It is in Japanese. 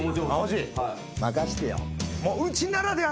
任してよ。